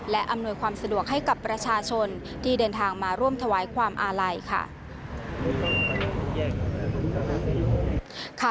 และอำนวยความสะดวกให้กับประชาชนที่เดินทางมาร่วมถวายความอาลัยค่ะ